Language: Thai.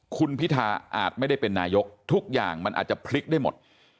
คุณพิธาอาจไม่ได้เป็นนายกทุกอย่างมันอาจจะพลิกได้หมด